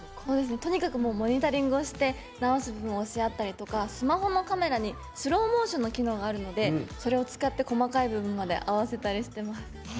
とにかくモニタリングをして見合ったりとかスマホのカメラにスローモーションの機能があるのでそれを使って細かい部分まで合わせたりしてます。